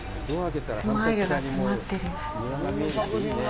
スマイルが詰まってる。